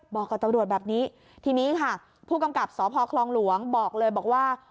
บอกกับตำรวจแบบนี้ทีนี้ค่ะผู้กำกับสพคลองหลวงบอกเลยบอกว่า